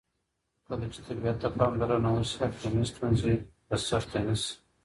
کله چې طبیعت ته پاملرنه وشي، اقلیمي ستونزې به سختې نه شي.